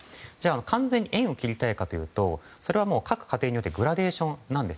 完全に縁を切りたいかというとそれは各家庭によってグラデーションなんです。